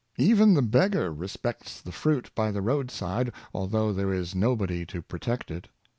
Even the beggar re spects the fruit by the roadside, although there is no body to protect it.